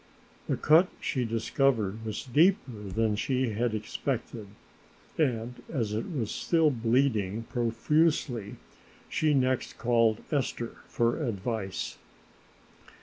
The cut she discovered was deeper than she had expected and, as it was still bleeding profusely, she next called Esther for advice.